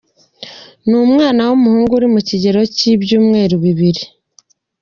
Ni umwana w’umuhungu uri mu kigero cy’ibyumweru bibiri.